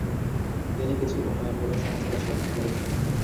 তিনি কিছু উন্নয়নমূলক সংস্কার সাধন করেন।